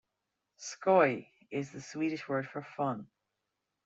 "Skoj" is the Swedish word for fun.